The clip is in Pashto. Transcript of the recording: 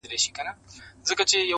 ونو هسي هم د وینو رنګ اخیستی -